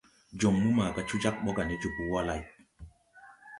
Jon mo maga co jāg bɔ ga ne jòbō wa lay.